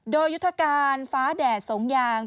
โดยยุทธการฟ้าแดดสงยาง